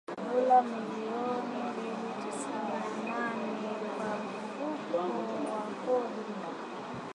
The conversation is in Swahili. Dola milioni mia mbili tisini na nane kwa Mfuko wa Kodi ya Maendeleo ya Petroli uhaba huo